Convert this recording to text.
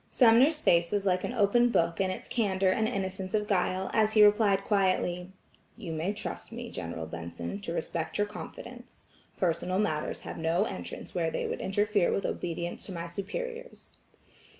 Sumner's face was like an open book in its candor and innocence of guile, as he replied quietly: "You may trust me, General Benson, to respect your confidence. Personal matters have no entrance where they would interfere with obedience to my superiors."